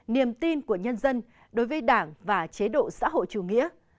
niềm tin của nhân dân đối với đảng và chế độ xã hội chủ nghĩa